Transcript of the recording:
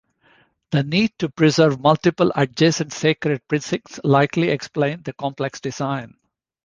The need to preserve multiple adjacent sacred precincts likely explains the complex design.